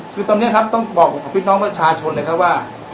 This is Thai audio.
คือตรงเนี้ยครับต้องบอกพี่น้องชาวชนเลยครับว่า